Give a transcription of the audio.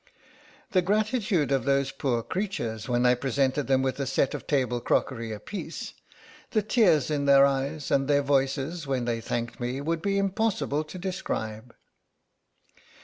"The gratitude of those poor creatures when I presented them with a set of table crockery apiece, the tears in their eyes and in their voices when they thanked me, would be impossible to describe."